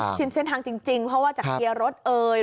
ชินเส้นทางจริงเพราะว่าจากเกียร์รถเอ่ย